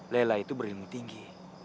lela itu berilmu tinggi